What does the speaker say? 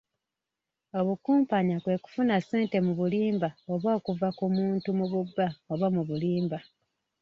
Obukumpanya kwe kufuna ssente mu bulimba okuva ku muntu mu bubba oba mu bulimba.